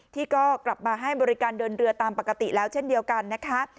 ที่ก็กลับมาให้บริการเดินเรือตามปกติแล้วเช่นเดียวกันนะคะ